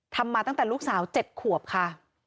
มาตั้งแต่ลูกสาว๗ขวบค่ะ